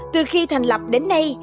từ khi thành lập đến nay